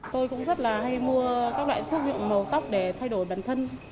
tôi cũng rất là hay mua các loại thuốc miệng màu tóc để thay đổi bản thân